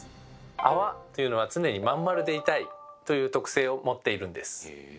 泡というのは「常にまん丸でいたい！」という特性を持っているんです。